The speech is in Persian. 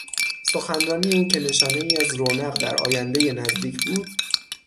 سخنرانی او که نشانهای از رونق در آیندهی نزدیک بود